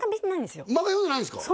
漫画読んでないんですか？